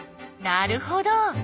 なるほど！